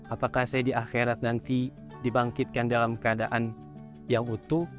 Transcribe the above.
apakah saya di akhirat nanti dibangkitkan dalam keadaan yang utuh